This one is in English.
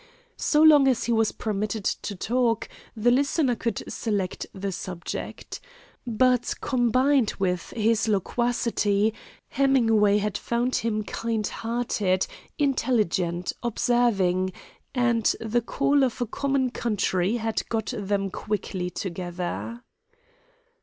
So long as he was permitted to talk, the listener could select the subject. But, combined with his loquacity, Hemingway had found him kind hearted, intelligent, observing, and the call of a common country had got them quickly together.